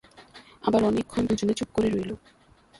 আবার অনেকক্ষণ দুজনে চুপ করে রইল।